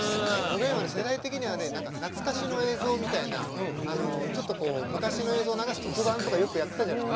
おげんは世代的には懐かしの映像みたいなちょっと昔の映像を流す特番とかよくやってたじゃない。